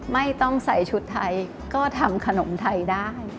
ไม่ต้องใส่ชุดไทยก็ทำขนมไทยได้